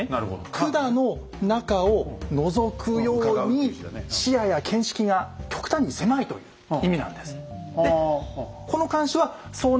管の中をのぞくように視野や見識が極端に狭いという意味なんです。